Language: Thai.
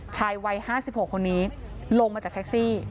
ชายวัยห้าสิบหกคนนี้ลงมาจากแท็กซี่